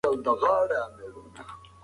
که ژبه محدوده شي نو ورکېږي.